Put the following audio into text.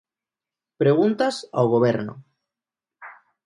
Preguntas ao Goberno.